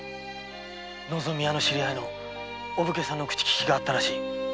「のぞみ屋」の知り合いのお武家さんの口利きがあったらしい。